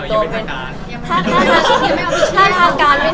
ถ้าตามการไม่หน้าเผลอขนาดนั้นอะไรอย่างนั้น